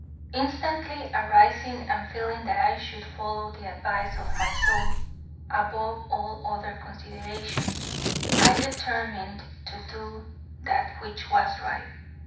Instantly arising and feeling that I should follow the advice of my soul above all other considerations, I determined to do that which was right.